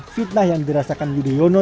fitnah yang dirasakan yudhoyono